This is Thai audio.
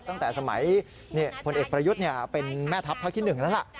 ตั้งแต่สมัยพลเอกประยุทธ์เป็นแม่ทัพภาคที่๑แล้วล่ะ